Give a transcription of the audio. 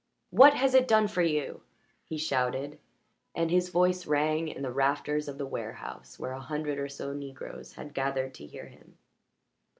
"What has it done for you?" he shouted, and his voice rang in the rafters of the warehouse where a hundred or so Negroes had gathered to hear him.